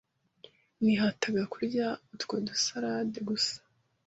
Nihataga kurya utwo dusalade gusa.